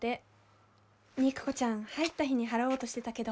肉子ちゃん入った日に払おうとしてたけど。